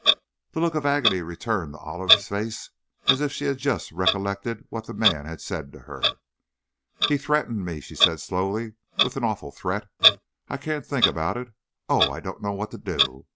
The look of agony returned to Olive's face, as if she had just recollected what the man had said to her. "He threatened me," she said, slowly; "with an awful threat! I can't think about it! Oh, I don't know what to do!